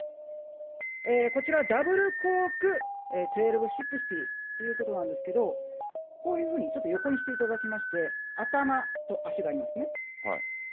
こちら、ダブルコーク１２６０ということなんですけれども、こういうふうにちょっと横にしていただきまして、頭と足がありますね。